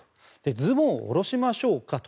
ズボンを下ろしましょうかと。